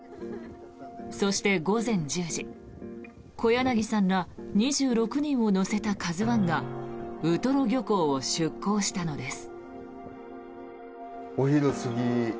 そして、午前１０時小柳さんら２６人を乗せた「ＫＡＺＵ１」がウトロ漁港を出港したのです。